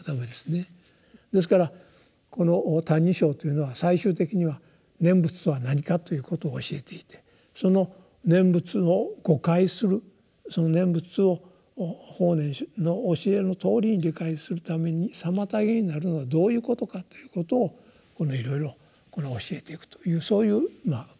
ですからこの「歎異抄」というのは最終的には「念仏とは何か」ということを教えていてその念仏を誤解するその念仏を法然の教えのとおりに理解するために妨げになるのはどういうことかということをいろいろ教えていくというそういう構想になってるわけですね。